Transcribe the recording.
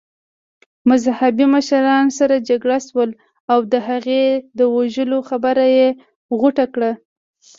مذهبي مشران سره جرګه شول او د هغې د وژلو خبره يې غوټه کړه.